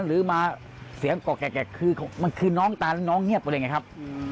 หรือมาเสียงกรอกแกะคือน้องตายแล้วน้องเงียบเลยครับ